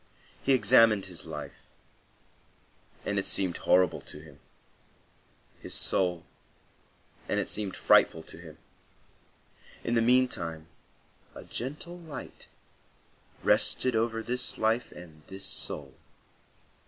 He examined his life, and it seemed horrible to him; his soul, and it seemed frightful to him. In the meantime a gentle light rested over this life and this soul.